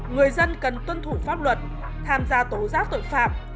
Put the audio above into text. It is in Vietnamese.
người dân cần tuân thủ pháp luật tham gia tố giác tội phạm